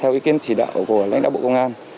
theo ý kiến chỉ đạo của lãnh đạo bộ công an